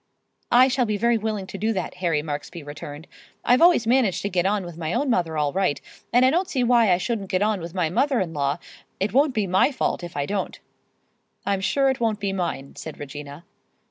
"I shall be very willing to do that," Harry Marksby [Pg 118]returned. "I've always managed to get on with my own mother all right, and I don't see why I shouldn't get on with my mother in law. It won't be my fault if I don't." "I'm sure it won't be mine," said Regina.